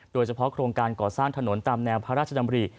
โดยเฉพาะโครงการก่อสร้างถนนตามแนวพระราชดำริ